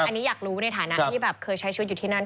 อันนี้อยากรู้ในฐานะที่แบบเคยใช้ชีวิตอยู่ที่นั่น